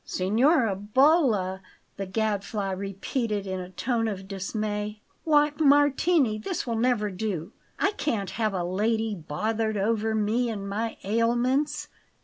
"Signora Bolla!" the Gadfly repeated in a tone of dismay. "Why, Martini, this will never do! I can't have a lady bothered over me and my ailments.